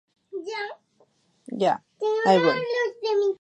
Brainiac decide trazar un rumbo a la Tierra mientras envía a Superman a Kandor.